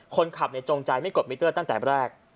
คนขับจงใจไม่กดมิเตอร์ตั้งแต่แรก